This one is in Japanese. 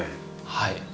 はい。